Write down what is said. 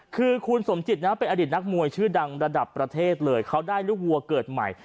คือคุณสมจิตนะเป็นอดีตนักมวยชื่อดังระดับประเทศเลยเขาได้ลูกวัวเกิดใหม่